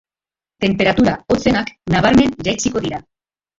Temperatura hotzenak nabarmen jaitsiko dira.